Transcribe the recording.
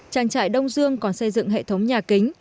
trang trại đông dương còn xây dựng hệ thống nhà kính